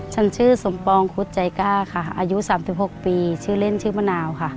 ฉันชื่อสมปองคุดใจกล้าค่ะอายุ๓๖ปีชื่อเล่นชื่อมะนาวค่ะ